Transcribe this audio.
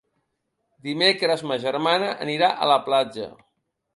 Dimecres ma germana anirà a la platja.